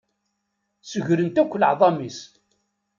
Segrent akk leεḍam-is.